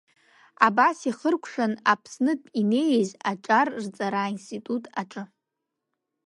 Абас ихыркәшан Аԥснытә инеиз аҿар рҵара аинститут аҿы.